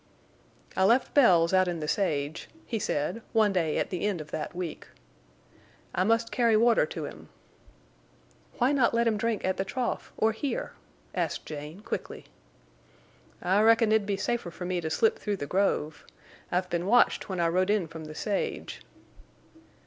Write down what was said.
"I left Bells out in the sage," he said, one day at the end of that week. "I must carry water to him." "Why not let him drink at the trough or here?" asked Jane, quickly. "I reckon it'll be safer for me to slip through the grove. I've been watched when I rode in from the sage."